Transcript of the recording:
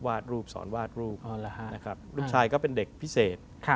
วาดรูปสอนวาดรูปลูกชายก็เป็นเด็กพิเศษ